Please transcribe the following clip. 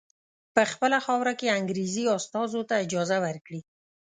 په خپله خاوره کې انګریزي استازو ته اجازه ورکړي.